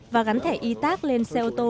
và gắn thẻ y tác lên xe ô tô